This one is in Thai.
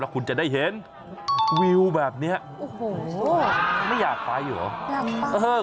แล้วคุณจะได้เห็นวิวแบบนี้ไม่อยากไปเหรอ